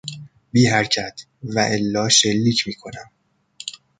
بی حرکت، والا شلیک میکنم.